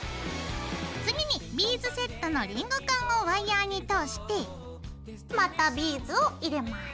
次にビーズセットのリングカンをワイヤーに通してまたビーズを入れます。